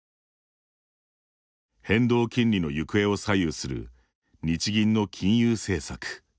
変動金利の行方を左右する日銀の金融政策。